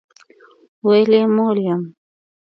ویل یې موړ یم.